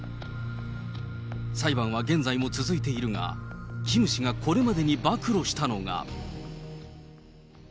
裁判は現在も続いているが、キム氏がこれまでに暴露したのが。